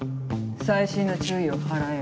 細心の注意を払えよ。